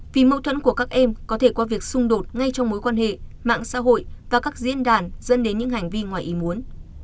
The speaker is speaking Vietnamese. vì mâu thuẫn của các em có thể qua việc xung đột ngay trong mối quan hệ mạng xã hội và các diễn đàn dẫn đến những hành vi ngoài ý muốn